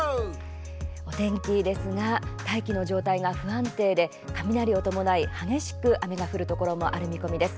お天気ですが大気の状態が不安定で雷を伴い、激しく雨が降るところもある見込みです。